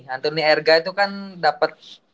antoni erga itu kan dapat